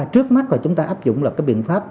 trước mắt là chúng ta áp dụng là cái biện pháp